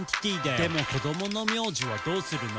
「でも子供の名字はどうするの？」